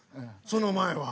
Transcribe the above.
その前は？